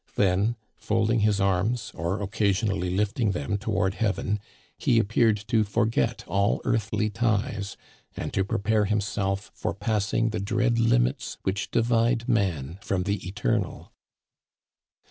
Then, folding his arms, or occasionally lifting them toward heaven, he appeared to forget all earthly ties and to prepare himself for passing the dread limits which divide man from the eternal.